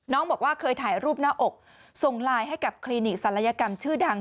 น้องบอกว่าเคยถ่ายรูปหน้าอกส่งไลน์ให้กับคลินิกศัลยกรรมชื่อดัง